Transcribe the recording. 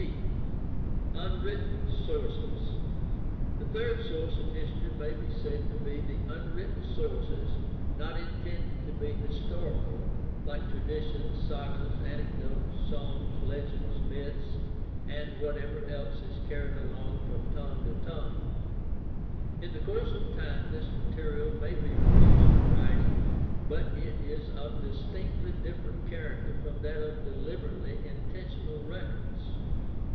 c) Unwritten sources. — The third source of history may be said to be the unwritten sources not intended to be historical, like traditions, sagas, anecdotes, songs, legends, myths, and THE HISTORICAL STUDY OF RELIGION 23 whatever else is carried along from tongue to tongue. In the course of time this material may be reduced to writing, but it is of distinctly different character from that of deliber ately intentional records.